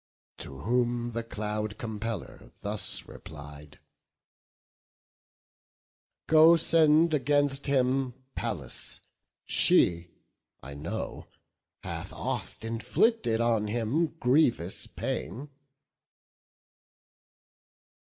To whom the Cloud compeller thus replied: "Go, send against him Pallas; she, I know, Hath oft inflicted on him grievous pain.".